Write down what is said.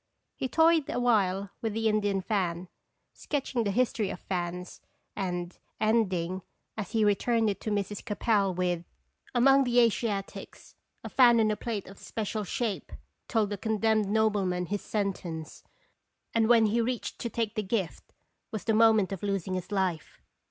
He toyed a while with the Indian fan, sketching the history of fans, and ending, as he returned it to Mrs. Capel, with : "Among the Asiatics a fan on a plate of special shape told a condemned nobleman his sentence, and when he reached to take the gift, was the mo ment of losing his life."